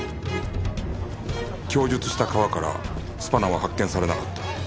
供述した川からスパナは発見されなかった